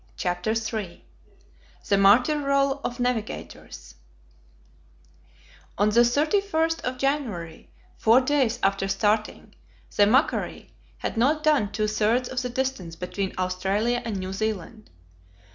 CHAPTER III THE MARTYR ROLL OF NAVIGATORS ON the 31st of January, four days after starting, the MACQUARIE had not done two thirds of the distance between Australia and New Zealand.